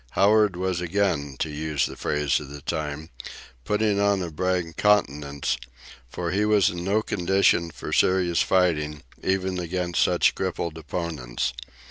Howard was again, to use the phrase of the time, "putting on a brag countenance," for he was in no condition for serious fighting, even against such crippled opponents.